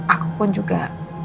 aku pun juga